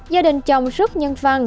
gia đình chồng rất nhân văn